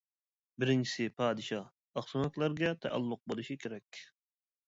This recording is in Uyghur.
بىرىنچىسى، پادىشاھ، ئاقسۆڭەكلەرگە تەئەللۇق بولۇشى كېرەك.